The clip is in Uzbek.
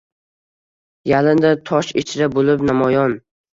Yalindi tosh ichra bo’lib namoyon